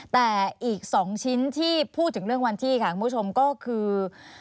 แต่อีก๒ชิ้นที่พูดถึงเรื่องวันที่ค่ะคุณผู้ชมก็คือ